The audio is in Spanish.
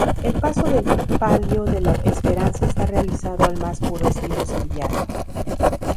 El paso de palio de la Esperanza está realizado al más puro estilo sevillano.